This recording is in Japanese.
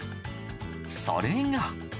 それが。